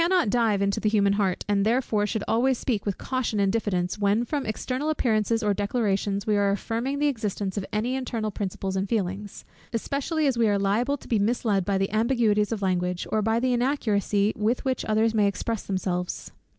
We cannot dive into the human heart, and therefore should always speak with caution and diffidence, when from external appearances or declarations we are affirming the existence of any internal principles and feelings; especially as we are liable to be misled by the ambiguities of language, or by the inaccuracy with which others may express themselves.